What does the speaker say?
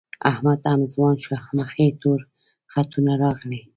احمد هم ځوان شو، مخ یې تور خطونه راغلي